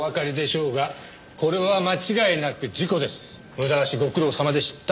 無駄足ご苦労さまでした。